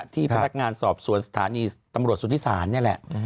ที่พนักงานสอบสวนสถานีตำรวจสุธิศาลนี่แหละ